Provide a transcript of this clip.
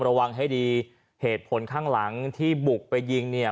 ระวังให้ดีเหตุผลข้างหลังที่บุกไปยิงเนี่ย